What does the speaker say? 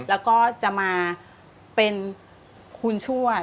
แล้วก็จะมาเป็นคุณชวด